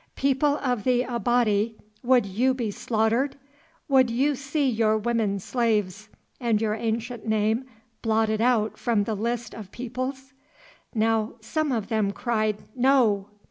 People of the Abati, would you be slaughtered, would you see your women slaves, and your ancient name blotted out from the list of peoples?" Now some of them cried, "No."